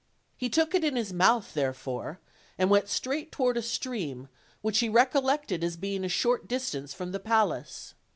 He took it in his mouth therefore, and went straight toward a stream which he recollected as being at a short distance from the palace.